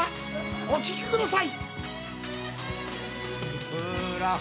お聞きください。